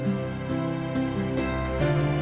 ya kita ke sekolah